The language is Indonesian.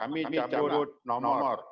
kami cabut nomor